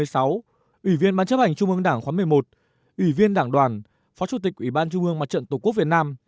ủy viên bán chấp hành trung bướng đảng khóa một mươi một ủy viên đảng đoàn phó chủ tịch ủy ban trung bướng mặt trận tổ quốc việt nam